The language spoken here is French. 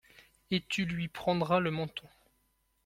Et tu lui prendras le menton.